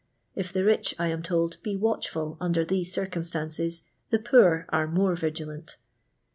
If the rich, I am told, be watchful under these circumstances, the poor are more vigilant.